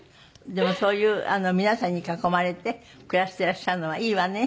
でもそういう皆さんに囲まれて暮らしていらっしゃるのはいいわね。